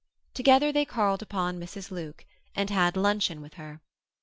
Together they called upon Mrs. Luke, and had luncheon with her.